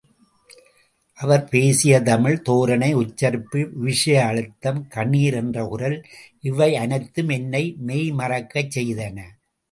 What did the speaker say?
அவர் பேசிய தமிழ் தோரணை உச்சரிப்பு விஷய அழுத்தம் கணீர் என்ற குரல் இவையனைத்தும் என்னை மெய்மறக்கச்செய்தன.